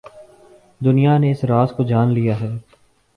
دنیا نے اس راز کو جان لیا ہے۔